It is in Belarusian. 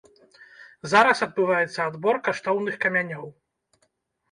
Зараз адбываецца адбор каштоўных камянёў.